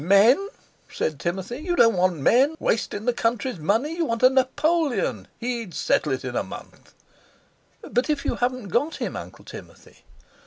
"Men!" said Timothy; "you don't want men—wastin' the country's money. You want a Napoleon, he'd settle it in a month." "But if you haven't got him, Uncle Timothy?"